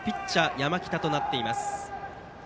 山北となっています。